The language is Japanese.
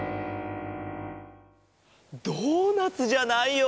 ドーナツじゃないよ。